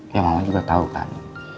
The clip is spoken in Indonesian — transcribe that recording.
ya mama juga tahu kan